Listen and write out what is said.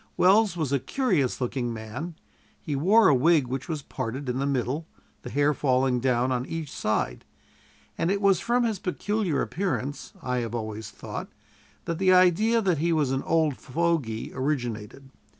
Welles was a curious looking man: he wore a wig which was parted in the middle, the hair falling down on each side; and it was from his peculiar appearance, I have always thought, that the idea that he was an old fogy originated.